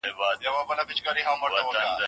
ایا ته د کوم شاعر په لمانځغونډه کې وې؟